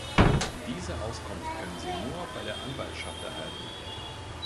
Diese Auskunft können Sie nur bei der Anwaltschaft erhalten.